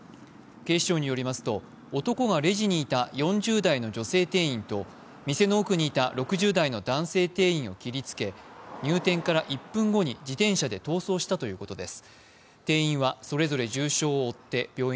警視庁によりますと男がレジにいた４０代の女性店員と店の奥にいた６０代の男性店員を切りつけ入店から１分後に自転車で逃走したということです。